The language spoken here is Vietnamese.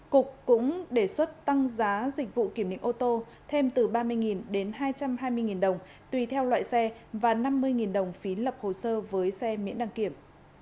cục cũng đề xuất tăng giá dịch vụ kiểm định ô tô thêm từ ba mươi đến hai trăm hai mươi đồng tùy theo loại xe và năm mươi đồng phí lập hồ sơ với xe miễn đăng kiểm